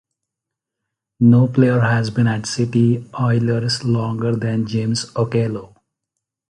No player has been at City Oilers longer than James Okello.